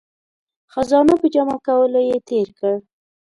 خزانو په جمع کولو یې تیر کړ.